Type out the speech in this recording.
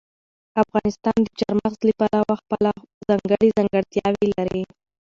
افغانستان د چار مغز له پلوه خپله ځانګړې ځانګړتیاوې لري.